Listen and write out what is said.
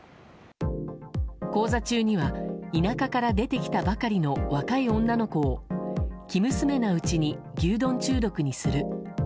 講座中には田舎から出てきたばかりの若い女の子を生娘なうちに牛丼中毒にする。